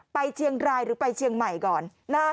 ไปเชียงรายหรือไปเชียงใหม่ก่อน